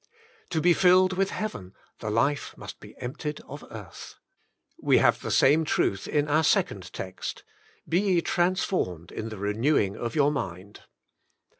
To be filled with heaven, the life must be emp tied of earth. We have the same truth in our sec ond text, " Be ye transformed in the renewing of your mind."